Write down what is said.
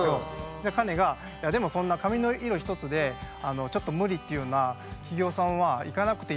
でカネが「でもそんな髪の色ひとつでちょっと無理って言うような企業さんは行かなくていいよ」。